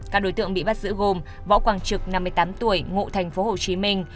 các đối tượng bị bắt giữ gồm võ quang trực năm mươi tám tuổi ngụ thành phố hồ chí minh